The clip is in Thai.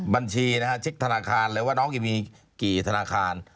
บัญชีนะฮะเช็คธนาคารเลยว่าน้องจะมีกี่ธนาคาร